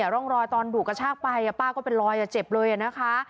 ร่องรอยตอนถูกกระชากไปป้าก็เป็นรอยเจ็บเลยนะคะ